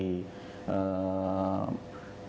mencalonkan di dunia sepak bola